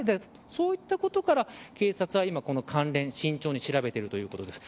そういったことから、警察は今関連を慎重に調べているということです。